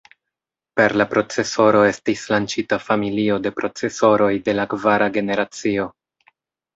Per la procesoro estis lanĉita familio de procesoroj de la kvara generacio.